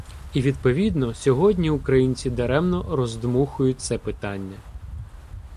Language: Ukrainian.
І, відповідно, сьогодні українці даремно роздмухують це питання.